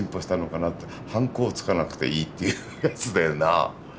ハンコをつかなくていいっていうやつだよな。